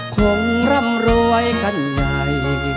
คงร่ำรวยกันใหญ่